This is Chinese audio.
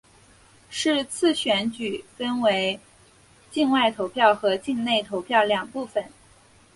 是次选举分为境外投票和境内投票两部分。